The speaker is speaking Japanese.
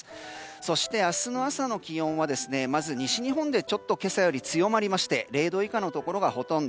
そして明日の朝の気温はまず西日本でちょっと今朝より強まりまして０度以下のところがほとんど。